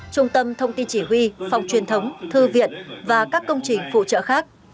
trung tâm thông tin chỉ huy phòng truyền thống thư viện và các công trình phụ trợ khác